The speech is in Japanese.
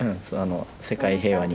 世界平和に。